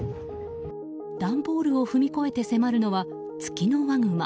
段ボールを踏み越えて迫るのはツキノワグマ。